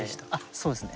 そうですね。